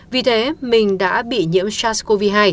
vì thế mình đã bị nhiễm sars cov hai